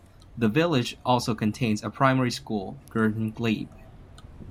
The village also contains a primary school, Girton Glebe.